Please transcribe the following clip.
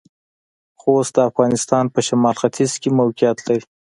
خوست د افغانستان پۀ شمالختيځ کې موقعيت لري.